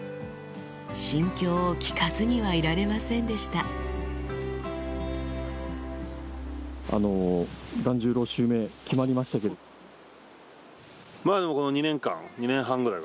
心境を聞かずにはいられませんでしたまぁでもこの２年間。